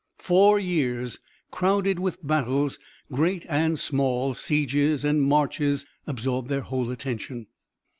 Four years crowded with battles, great and small, sieges and marches absorbed their whole attention.